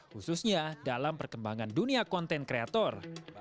khususnya dalam perkembangan dunia konten kreator